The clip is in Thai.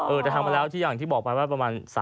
เออทำมาแล้วที่บอกมาว่าประมาณ